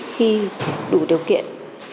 khi đủ điều kiện